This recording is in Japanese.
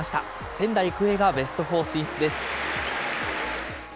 仙台育英がベストフォー進出です。